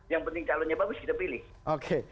yang penting calonnya bagus kita pilih